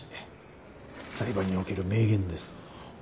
裁判における名言です。